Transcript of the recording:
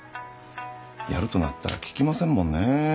やるとなったら聞きませんもんねえ。